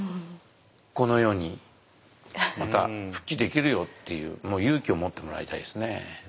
このようにまた復帰できるよっていうもう勇気を持ってもらいたいですね。